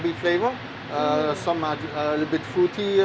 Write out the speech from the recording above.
beberapa lebih berwarna